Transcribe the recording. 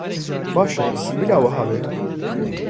Baş e, bila wiha be.